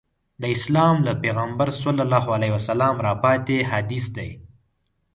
د اسلام له پیغمبره راپاتې حدیث دی.